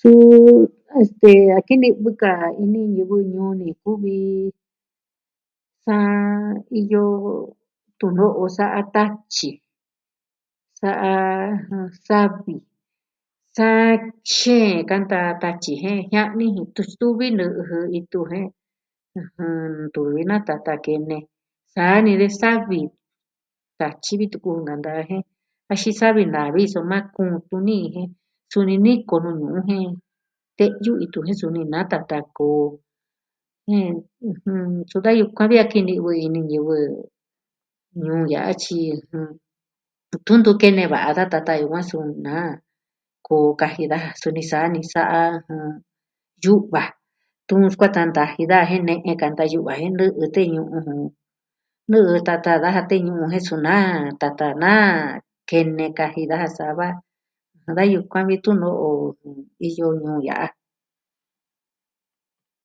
Suu, este... a kini'vɨ ka ini ñivɨ ñuu ni kuvi... suu iyo... tu'un no'o sa'a tatyi, sa'a, jɨn, savi. Sa xeen kanta tatyi jen jia'ni ji tu stuvi nɨ'ɨ jɨ itu jen, ɨjɨn, ntu natata kene. Sa'a ni de savi, tatyi vi tuku nanta jen axin savi maa vi soma kuun tuni jen, suni niko nuu jen... Te'yu itu ñuu suu nuu natata koo. Jen, ɨjɨn, tyu da kuaa vi a kini'vɨ nuu ñivɨ... ya'a tyi... tu tu ntu kene va'a da tata yukuan suu na, koo kaji daja suni sa'a ni saa ni sa'a, jɨn, yu'va. Tɨɨn skuata ntaji daa jen ne'e kanta yu'va jen nɨ'ɨ tee ñu'un jɨ. Nɨɨ tata daja teñu'un soma, tata na kene kaji daja saa va. Da yukuan vi tu'un no'o iyo ñuu ya'a.